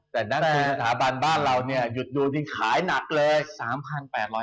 แต่นักทุนสถาบันบ้านเราเนี่ยหยุดดูจริงขายหนักเลย